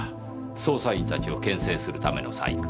捜査員たちを牽制するための細工。